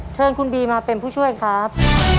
เชิญคุณบีมาเป็นผู้ช่วยครับ